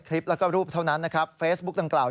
คลิปแล้วก็รูปเถานั้นนะครับ